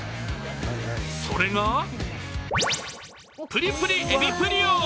それがプリプリエビプリオ。